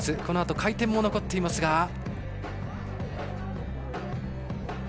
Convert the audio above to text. このあと、回転も残っていますが。